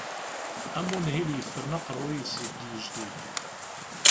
Am unhil yeffren aqerruy-is deg yijdi.